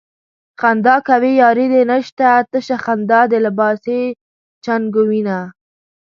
خندا کوې ياري دې نشته تشه خندا د لباسې جنکو وينه